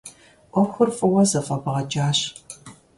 ӏуэхур фӏыуэ зэфӏэбгъэкӏащ.